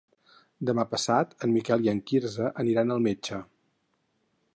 Demà passat en Miquel i en Quirze aniran al metge.